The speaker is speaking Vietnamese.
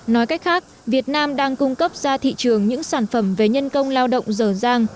nói cách khác việt nam đang cung cấp ra thị trường những sản phẩm về nhân công lao động dở dàng